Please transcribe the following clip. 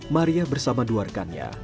maheriah bersama dua rekannya